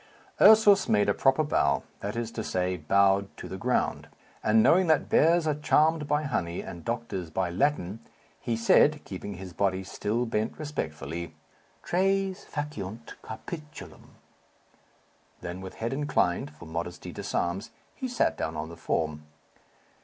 Ursus made a proper bow that is to say, bowed to the ground; and knowing that bears are charmed by honey, and doctors by Latin, he said, keeping his body still bent respectfully, "Tres faciunt capitulum!" Then, with head inclined (for modesty disarms) he sat down on the form.